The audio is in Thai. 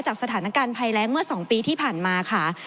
สถานการณ์ภัยแรงเมื่อ๒ปีที่ผ่านมาค่ะ